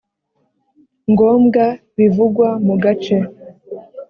ngombwa bivugwa mu gace